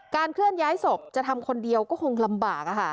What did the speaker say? เคลื่อนย้ายศพจะทำคนเดียวก็คงลำบาก